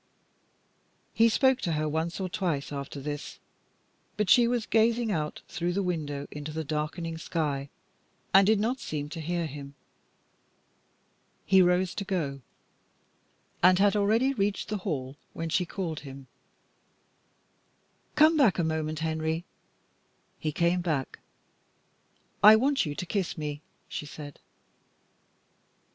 He spoke to her once or twice after this, but she was gazing out through the window into the darkening sky, and did not seem to hear him. He rose to go, and had already reached the hail, when she called him "Come back a moment Henry." He came back. "I want you to kiss me," she said.